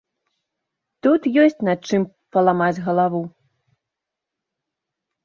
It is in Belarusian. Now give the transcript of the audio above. Тут ёсць над чым паламаць галаву.